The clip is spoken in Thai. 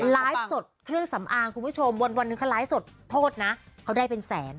ไลฟ์สดเครื่องสำอางคุณผู้ชมวันหนึ่งเขาไลฟ์สดโทษนะเขาได้เป็นแสน